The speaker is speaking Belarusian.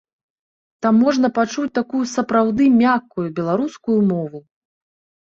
Там можна пачуць такую сапраўды мяккую беларускую мову.